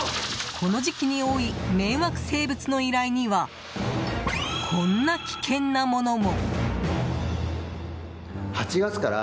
この時期に多い迷惑生物の依頼にはこんな危険なものも。